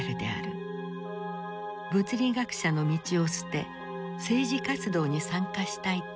物理学者の道を捨て政治活動に参加したいと申し出た。